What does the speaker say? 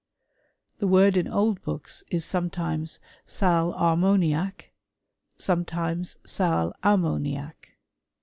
The word in old books is sometimes sal otitmH* niac^ sometimes sal ammoniac.